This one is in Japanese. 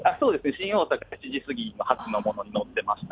新大阪７時過ぎ発のものに乗っていました。